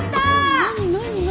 何何何何？